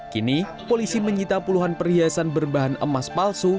kini polisi menyita puluhan perhiasan berbahan emas palsu